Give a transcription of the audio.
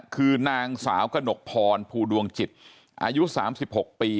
คือนางสาวกระหนกพรภูดวงจิตอายุ๓๖ปี